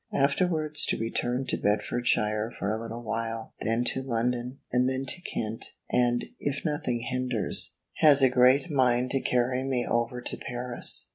Afterwards to return to Bedfordshire for a little while; then to London; and then to Kent; and, if nothing hinders, has a great mind to carry me over to Paris.